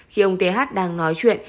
khi ông thế hát đang nói chuyện